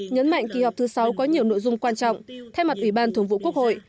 nhấn mạnh kỳ họp thứ sáu có nhiều nội dung quan trọng thay mặt ủy ban thường vụ quốc hội